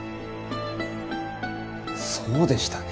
そうでしたね